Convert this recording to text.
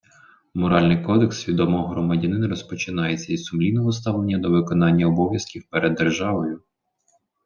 Моральний кодекс свідомого громадянина розпочинається із сумлінного ставлення до виконання обов'язків перед державою